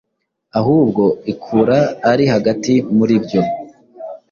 ahubwo ikura ari hagati muri byo.